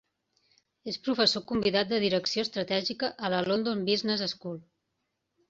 És professor convidat de Direcció Estratègica a la London Business School.